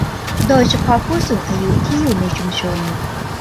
โดยเฉพาะผู้สูงอายุที่อยู่ในชุมชน